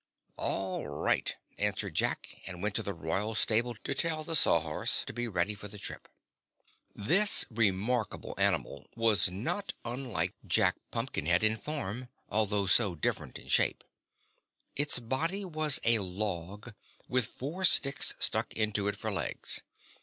"All right," answered Jack, and went to the royal stable to tell the Sawhorse to be ready for the trip. This remarkable animal was not unlike Jack Pumpkinhead in form, although so different in shape. Its body was a log, with four sticks stuck into it for legs.